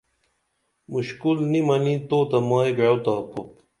مُشکُل نی منی تو تہ مائی گعو تاپُوپ